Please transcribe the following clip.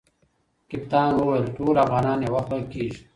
کپتان وویل ټول افغانان یوه خوله کیږي.